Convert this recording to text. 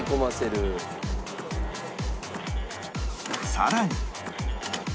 さらに